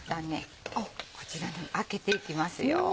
こちらにあけていきます。